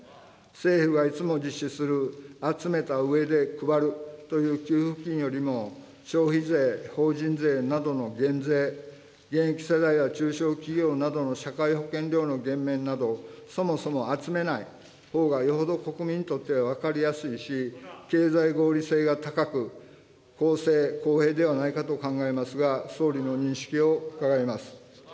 政府がいつも実施する集めたうえで配るという給付金よりも、消費税、法人税などの減税、現役世代や中小企業などの社会保険料の減免など、そもそも集めないほうがよほど国民にとっては分かりやすいし、経済合理性が高く、公正公平ではないかと考えますが、総理の認識を伺います。